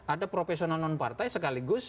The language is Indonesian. ada profesional non partai sekaligus